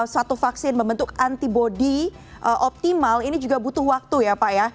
satu vaksin membentuk antibody optimal ini juga butuh waktu ya pak ya